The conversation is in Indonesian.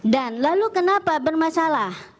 dan lalu kenapa bermasalah